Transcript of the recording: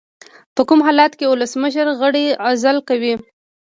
په کوم حالت کې ولسمشر غړی عزل کوي؟